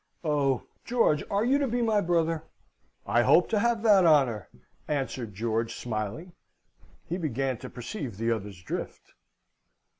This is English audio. Oh, George, are you to be my brother?" "I hope to have that honour," answered George, smiling. He began to perceive the other's drift.